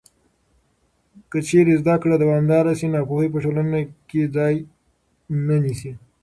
که چېرته زده کړه دوامداره شي، ناپوهي په ټولنه کې ځای نه نیسي.